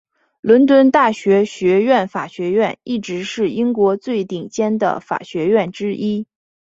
伦敦大学学院法学院一直是英国最顶尖的法学院之一。